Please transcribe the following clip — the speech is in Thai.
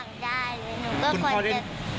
กับระบบการเรียนออนไลน์งานนี้แม่โบกับน้องมะลิยอมรับเลยว่า